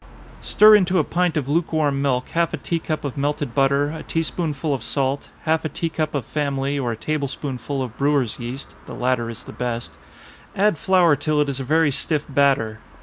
_ Stir into a pint of lukewarm milk half a tea cup of melted butter, a tea spoonful of salt, half a tea cup of family, or a table spoonful of brewers' yeast, (the latter is the best;) add flour till it is a very stiff batter.